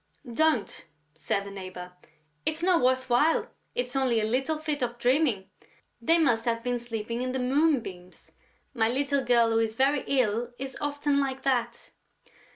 "Don't," said the neighbor; "it's not worth while. It's only a little fit of dreaming; they must have been sleeping in the moonbeams.... My little girl, who is very ill, is often like that...."